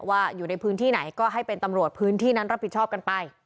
อยู่ในพื้นที่ไหนก็ให้เป็นตำรวจพื้นที่นั้นรับผิดชอบกันไป